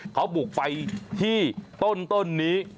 เขาบุกไปที่ต้นนี้